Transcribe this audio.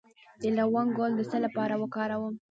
د لونګ ګل د څه لپاره وکاروم؟